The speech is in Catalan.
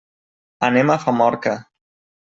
Anem a Famorca.